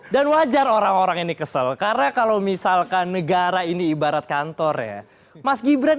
dan wajar orang orang ini kesel karena kalau misalkan negara ini ibarat kantor ya mas gibran